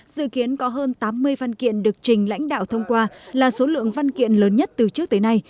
dự kiến có hơn tám mươi văn kiện được trình lãnh đạo thông qua là số lượng văn kiện lớn nhất từ trước tới nay